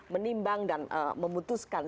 menimbang dan memutuskan